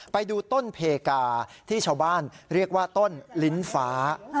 ไปดูต้นเพกาที่ชาวบ้านเรียกว่าต้นลิ้นฟ้า